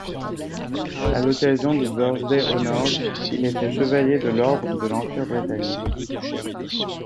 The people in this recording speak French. A l'occasion du Birthday Honours, il est fait chevalier de l'Ordre de l'Empire britannique.